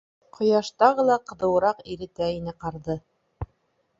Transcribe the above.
Ҡояш тағы ла ҡыҙыуыраҡ иретә ине ҡарҙы.